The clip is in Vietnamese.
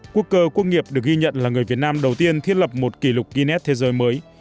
quốc cơ quốc nghiệp được ghi nhận là người việt nam đầu tiên thiết lập một kỷ lục gunets thế giới mới